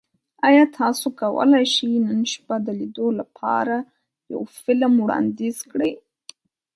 ایا تاسو کولی شئ نن شپه د لیدو لپاره یو فلم وړاندیز کړئ؟